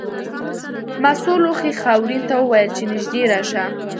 مسو لوښي خاورین ته وویل چې نږدې راشه.